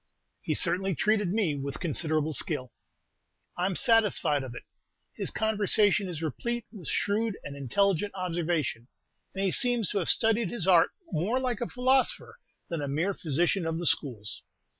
"He certainly treated me with considerable skill." "I'm satisfied of it; his conversation is replete with shrewd and intelligent observation, and he seems to have studied his art more like a philosopher than a mere physician of the schools.